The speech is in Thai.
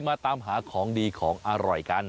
มาตามหาของดีของอร่อยกัน